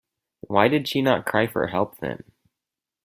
Why did she not cry for help then?